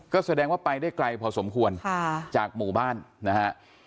ก็แสดงว่าไปได้ไกลพอสมควรจากหมู่บ้านนะฮะ